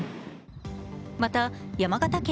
また山形県